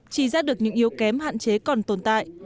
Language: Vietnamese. chỉ ra được những yếu kém hạn chế còn tồn tại